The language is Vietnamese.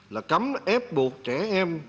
là cấm ép buộc trẻ em